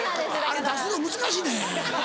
あれ出すの難しいねん。